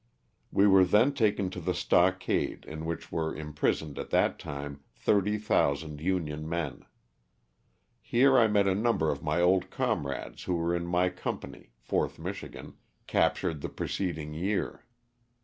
We were then taken to the stockade in which were imprisoned at that time thirty thousand Union men. Here I met a number of my old comrades who were in my company (4th Michigan), captured the preceding year.